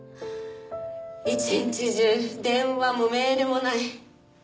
一日中電話もメールもない。